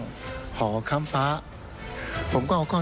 ชีวิตกระมวลวิสิทธิ์สุภาณีขวดชภัณฑ์